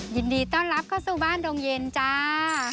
ยินดีต้อนรับเข้าสู่บ้านดงเย็นจ้า